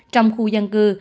trong khu dân cư